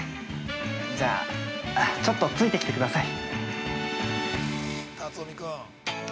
じゃあ、ちょっとついてきてください。